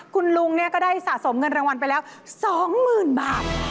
คุณลุงเนี่ยก็ได้สะสมเงินรางวัลไปแล้วสองหมื่นบาท